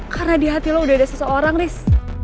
karena di hati lo udah ada seseorang ris